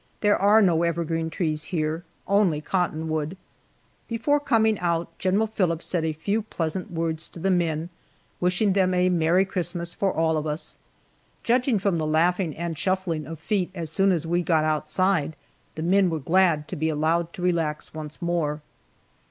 There are no evergreen trees here, only cottonwood. Before coming out, General Phillips said a few pleasant words to the men, wishing them a "Merry Christmas" for all of us. Judging from the laughing and shuffling of feet as soon as we got outside, the men were glad to be allowed to relax once more.